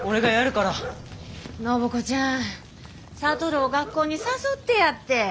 暢子ちゃん智を学校に誘ってやって。